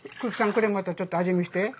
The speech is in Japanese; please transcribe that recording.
これまたちょっと味見して。